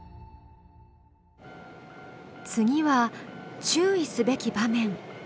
次は注意すべき場面。